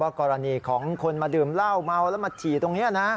กรณีของคนมาดื่มเหล้าเมาแล้วมาฉี่ตรงนี้นะ